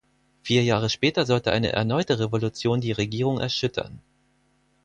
Vier Jahre später sollte eine erneute Revolution die Regierung erschüttern.